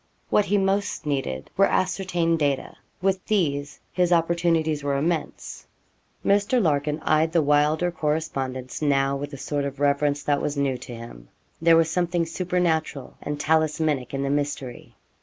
What he most needed were ascertained data. With these his opportunities were immense. Mr. Larkin eyed the Wylder correspondence now with a sort of reverence that was new to him. There was something supernatural and talismanic in the mystery.